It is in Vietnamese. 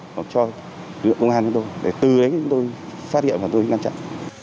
hoặc cho lực lượng công an chúng tôi để từ đấy chúng tôi phát hiện và tôi ngăn chặn